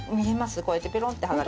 こうやってペロンって剥がれて。